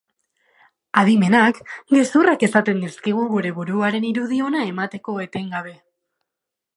Adimenak gezurrak esaten dizkigu gure buruaren irudi ona emateko, etengabe.